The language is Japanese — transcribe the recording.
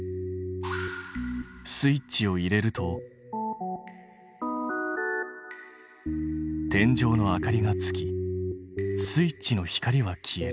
スイッチを入れると天井の明かりがつきスイッチの光は消える。